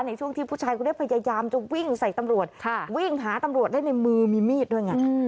ในช่วงที่ผู้ชายคนนี้พยายามจะวิ่งใส่ตำรวจวิ่งหาตำรวจได้ในมือมีมีดด้วยไง